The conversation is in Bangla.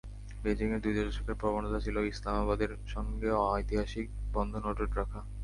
বেইজিংয়ের দুই দশকের প্রবণতা ছিল, ইসলামাবাদের সঙ্গে ঐতিহাসিক বন্ধন অটুট রাখা।